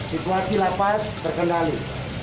situasi lapas terkendali